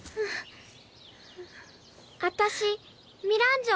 あたしミランジョ。